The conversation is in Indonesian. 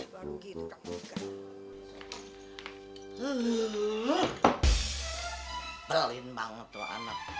pelin banget tuh anak